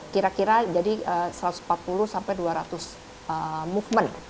kira kira jadi satu ratus empat puluh sampai dua ratus movement